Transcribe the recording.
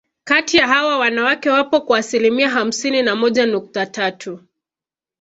Kati ya hawa wanawake wapo kwa asilimia hamsini na moja nukta tatu